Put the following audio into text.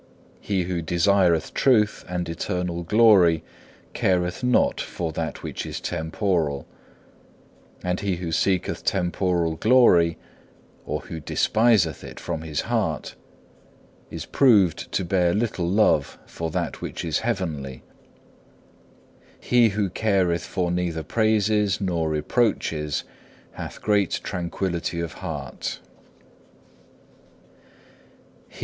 He who desireth true and eternal glory careth not for that which is temporal; and he who seeketh temporal glory, or who despiseth it from his heart, is proved to bear little love for that which is heavenly. He who careth for neither praises nor reproaches hath great tranquillity of heart.